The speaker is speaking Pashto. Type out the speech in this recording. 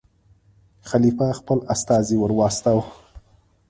خلیفه خپل استازی ور واستاوه.